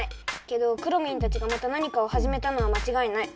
けどくろミンたちがまた何かをはじめたのはまちがいない。